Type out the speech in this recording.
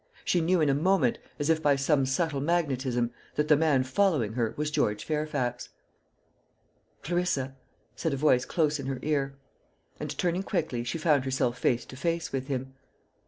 She knew in a moment, as if by some subtle magnetism, that the man following her was George Fairfax. "Clarissa," said a voice close in her ear; and turning quickly, she found herself face to face with him.